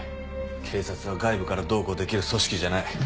警察は外部からどうこうできる組織じゃない。